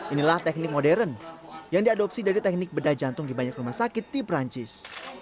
inilah teknik modern yang diadopsi dari teknik bedah jantung di banyak rumah sakit di perancis